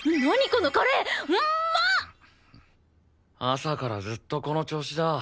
朝からずっとこの調子だ。